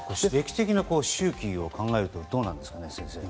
周期を考えるとどうなんですかね。